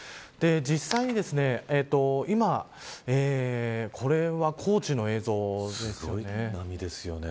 実際に今これは高知の映像ですよね。